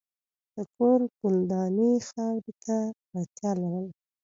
د کور ګلداني خاورې ته اړتیا لرله.